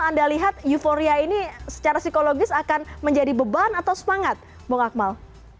anda lihat euforia ini secara psikologis akan menjadi beban atau semangat bung akmal